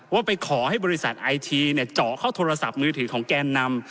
ว่าไปขอให้บริษัทไอทีเจาะเข้าโทรศัพท์มือถือของแกนนำ